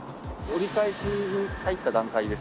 折り返しに入った段階ですね。